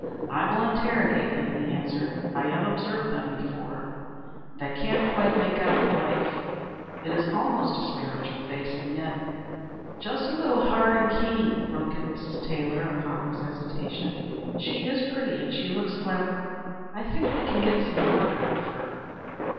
"I will interrogate him," he answered. "I have observed them before, and and I can't quite make out the wife. It is almost a spiritual face, and yet " "Just a little hard and keen," broke in Mrs. Taylor, upon his hesitation. "She is pretty, and she looks clever. I think we can get some work out of her."